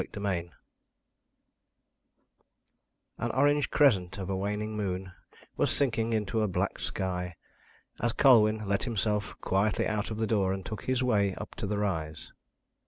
CHAPTER XXI An orange crescent of a waning moon was sinking in a black sky as Colwyn let himself quietly out of the door and took his way up to the rise.